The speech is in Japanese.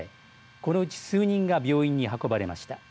このうち数人が病院に運ばれました。